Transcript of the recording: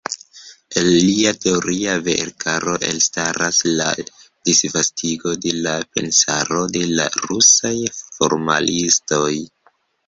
El lia teoria veerkaro elstaras la disvastigo de la pensaro de la rusaj formalistoj.